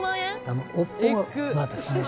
尾っぽがですね